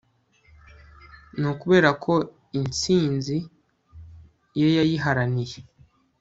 Ni ukubera ko instinzi ye yayiharaniye